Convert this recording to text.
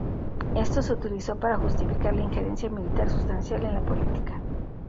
Esto se utilizó para justificar la injerencia militar sustancial en la política.